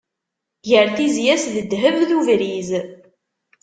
Gar tizya-s d ddehb d ubriz.